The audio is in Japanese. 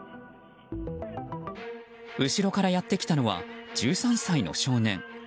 後ろからやってきたのは１３歳の少年。